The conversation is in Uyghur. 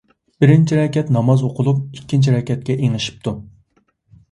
بىرىنچى رەكەت ناماز ئوقۇلۇپ، ئىككىنچى رەكەتكە ئېڭىشىپتۇ.